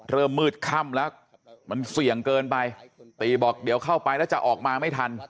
เริ่มมืดค่ำแล้วมันเสี่ยงเกินไปตีบอกเดี๋ยวเข้าไปแล้วจะออกมาไม่ทัน